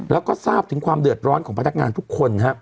แล้วก็ทราบถึงความเดือดร้อนของพนักงานทุกคน